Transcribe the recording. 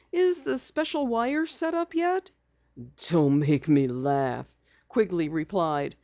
"Is the special wire set up yet?" "Don't make me laugh," Quigley replied.